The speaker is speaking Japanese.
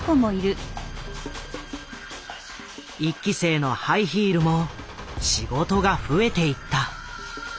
１期生のハイヒールも仕事が増えていった。